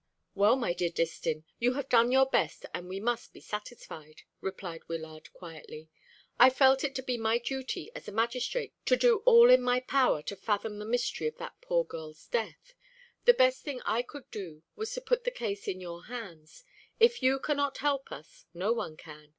"Well, my dear Distin, you have done your best, and we must be satisfied," replied Wyllard quietly. "I felt it to be my duty as a magistrate to do all in my power to fathom the mystery of that poor girl's death. The best thing I could do was to put the case in your hands. If you cannot help us, no one can.